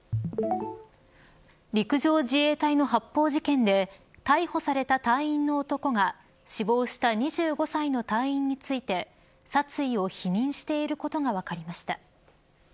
陸上自衛隊の発砲事件で逮捕された隊員の男が死亡した２５歳の隊員について殺意を否認していることが分かりました。